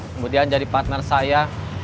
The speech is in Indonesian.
kemudian jadi partner saya